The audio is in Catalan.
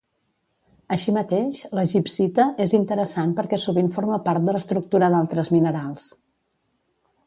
Així mateix, la gibbsita és interessant perquè sovint forma part de l'estructura d'altres minerals.